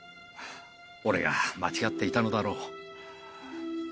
俺が間違っていたのだろう。